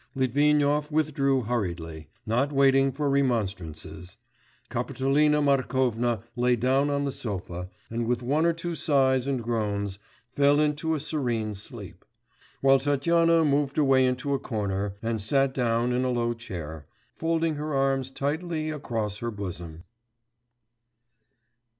Litvinov withdrew hurriedly, not waiting for remonstrances; Kapitolina Markovna lay down on the sofa, and with one or two sighs and groans, fell into a serene sleep; while Tatyana moved away into a corner, and sat down in a low chair, folding her arms tightly across her bosom.